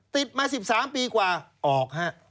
ติดมา๑๓ปีกว่าออกฮะ